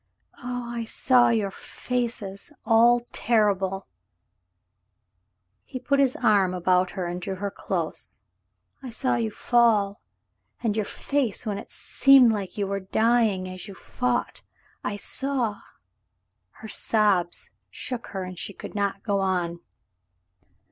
"Oh, I saw your faces — all terrible —" He put his arm about her and drew her close. *'I saw you fall, and your face when it seemed like you were dying as you fought. I saw —" Her sobs shook her, and she could not go on.